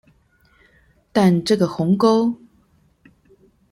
但這個鴻溝